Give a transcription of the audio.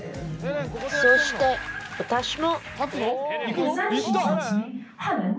そして私も。